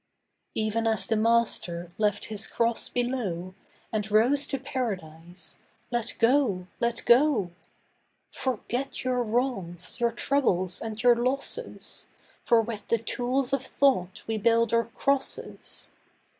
Even as the Master left His cross below And rose to Paradise, let go, let go. Forget your wrongs, your troubles and your losses, For with the tools of thought we build our crosses.